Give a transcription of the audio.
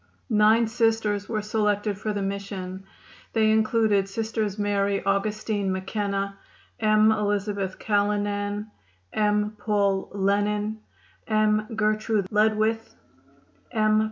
Nine Sisters were selected for the mission. They included Sisters Mary Augustine MacKenna, M. Elizabeth Callanan, M. Paul Lennon, M. Gertrude Ledwith, M.